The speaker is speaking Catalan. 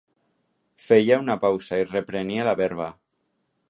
Feia una pausa i reprenia la verba.